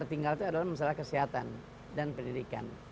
itu adalah masalah kesehatan dan pendidikan